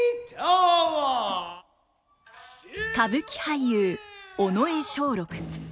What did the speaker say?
歌舞伎俳優尾上松緑。